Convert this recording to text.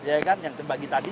ya kan yang terbagi tadi